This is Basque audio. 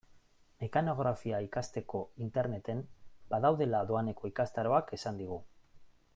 Mekanografia ikasteko Interneten badaudela doaneko ikastaroak esan digu.